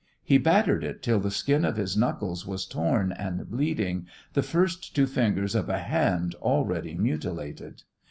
He battered it till the skin of his knuckles was torn and bleeding the first two fingers of a hand already mutilated.